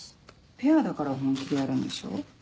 ペアだから本気でやるんでしょ。